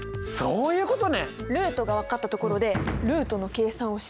そういうことか！